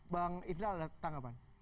bang ifrah ada tanggapan